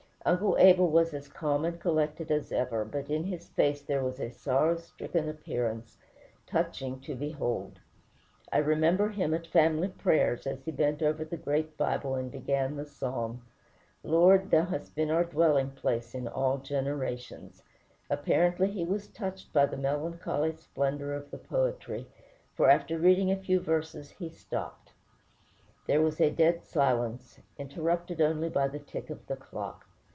Uncle Abel was as calm and collected as ever; but in his face there was a sorrow stricken appearance touching to behold. I remember him at family prayers, as he bent over the great Bible and began the psalm, "Lord, thou hast been our dwelling place in all generations." Apparently he was touched by the melancholy splendor of the poetry, for after reading a few verses he stopped. There was a dead silence, interrupted only by the tick of the clock.